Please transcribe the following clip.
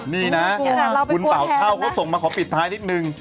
นี่นะคุณเป่าเช่าเขาส่งมาขอปิดท้ายนิดนึง